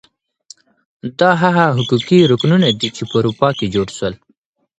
دا هغه حقوقي رکنونه دي چي په اروپا کي جوړ سول.